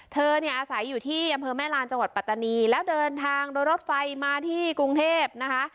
เธอเนี่ยอาศัยอยู่ที่อำเภอแม่ลานจังหวัดปัตตานีแล้วเดินทางโดยรถไฟมาที่กรุงเทพนะคะ